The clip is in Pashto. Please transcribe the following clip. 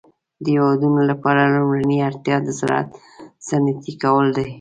د هيوادونو لپاره لومړنۍ اړتيا د زراعت صنعتي کول دي.